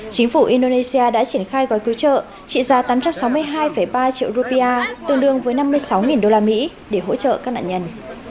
chính phủ indonesia đã triển khai gói cứu trợ trị giá tám trăm sáu mươi hai ba triệu rupiah tương đương với năm mươi sáu đô la mỹ để hỗ trợ các nạn nhân